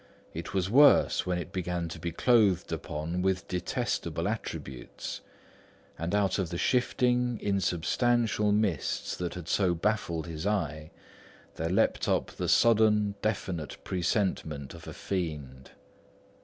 It was worse when it began to be clothed upon with detestable attributes; and out of the shifting, insubstantial mists that had so long baffled his eye, there leaped up the sudden, definite presentment of a fiend.